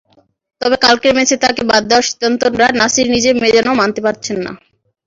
তবে কালকের ম্যাচে তাঁকে বাদ দেওয়ার সিদ্ধান্তটা নাসির নিজে যেন মানতে পারছেন না।